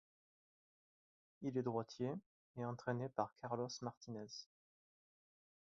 Il est droitier, et entraîné par Carlos Martinez.